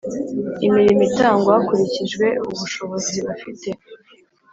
imirimo itangwa hakurikijwe ubushobozi bafite.